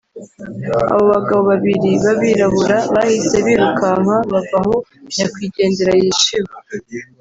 “Abo bagabo babiri b’abirabura bahise birukanka bava aho nyakwigendera yiciwe